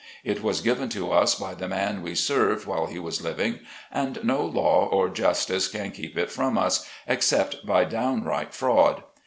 It was given to us by the man we served while he was living, and no law or justice can keep it from us, except by downright fraud.